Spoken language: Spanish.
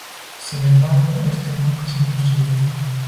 Sin embargo, este nunca se construyó.